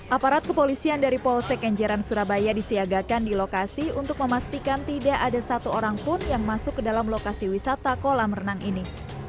aparat kepolisian dari polsek kenjeran surabaya disiagakan di lokasi untuk memastikan tidak ada satu orang pun yang masuk ke dalam lokasi wisata kolam renang ini